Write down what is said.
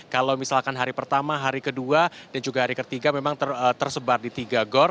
kalau misalkan hari pertama hari kedua dan juga hari ketiga memang tersebar di tiga gor